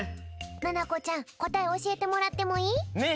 ななこちゃんこたえおしえてもらってもいい？